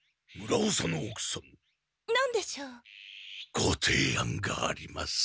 ごていあんがあります。